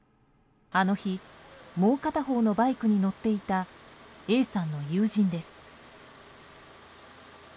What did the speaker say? あの日、もう片方のバイクに乗っていた、Ａさんの友人です。